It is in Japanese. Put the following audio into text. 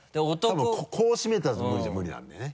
多分こうしめたやつじゃ無理なんだよね。